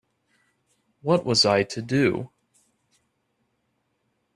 What was I to do?